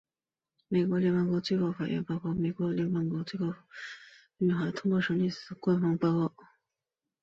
美国联邦最高法院判例报告是美国联邦最高法院所审理过所有案件的官方报告。